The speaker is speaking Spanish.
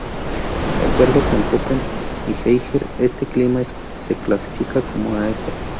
De acuerdo con Köppen y Geiger este clima se clasifica como Af.